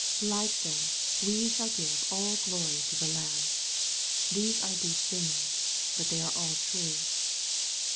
Like them, we shall give all glory to the Lamb. These are deep things. But they are all true.